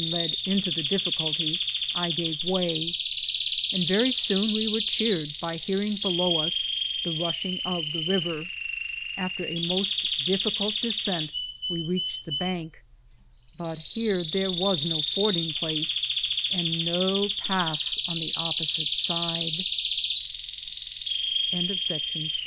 led into the difficulty, I gave way, and very soon we were cheered by hearing below us the rushing of the river. After a most difficult descent we reached the bank; but here there was no fording place, and no path on